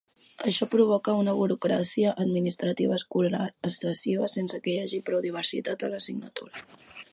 Això provoca una burocràcia administrativa escolar excessiva sense que hi hagi prou diversitat a l'assignatura.